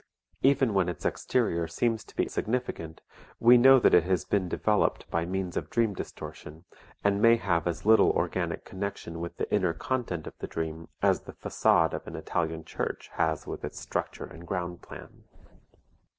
Even when its exterior seems to be significant, we know that it has been developed by means of dream distortion and may have as little organic connection with the inner content of the dream as the facade of an Italian church has with its structure and ground plan.